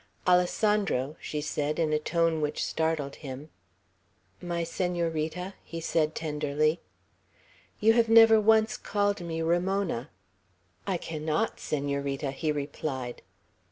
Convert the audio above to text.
"Alessandro!" she said, in a tone which startled him. "My Senorita!" he said tenderly. "You have never once called me Ramona." "I cannot, Senorita!" he replied.